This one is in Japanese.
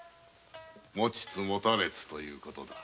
「持ちつ持たれつ」という事だ。